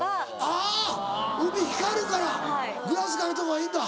あ海光るからグラス掛けた方がいいんだ。